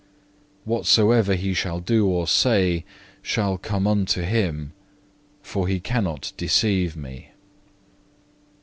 Whatsoever he shall do or say, shall come unto him, for he cannot deceive Me.